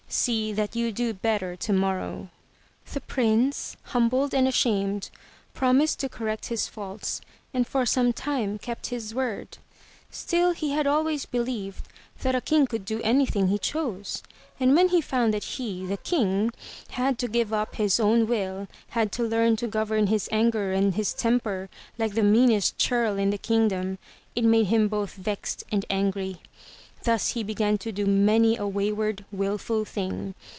See that you do better tomorrow/' The Prince, humbled and ashamed, promised to correct his faults and for some time kept his word. Still, he had always believed that a King could do anything he chose, and when he found that he, the King, had to give up his own will, had to learn to govern his anger and his temper like the meanest churl in his kingdom, it made him both vexed and angry. Thus he began to do many a wayward, wilful thing.